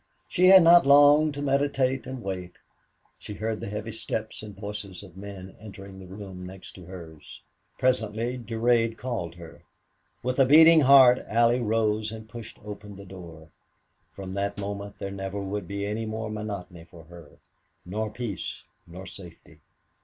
She had not long to meditate and wait. She heard the heavy steps and voices of men entering the room next hers. Presently Durade called her. With a beating heart Allie rose and pushed open the door. From that moment there never would be any more monotony for her nor peace nor safety.